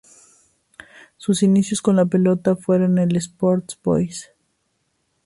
Sus inicios con la pelota fueron en el Sport Boys.